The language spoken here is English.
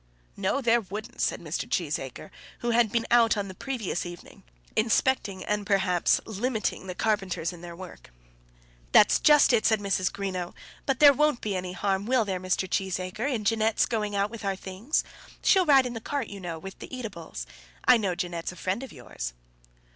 "No; there wouldn't," said Mr. Cheesacre, who had been out on the previous evening, inspecting, and perhaps limiting, the carpenters in their work. "That's just it," said Mrs. Greenow. "But there won't be any harm, will there, Mr. Cheesacre, in Jeanette's going out with our things? She'll ride in the cart, you know, with the eatables. I know Jeannette's a friend of yours."